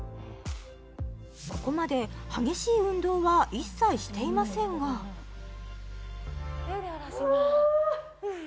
ここまで激しい運動は一切していませんがフー！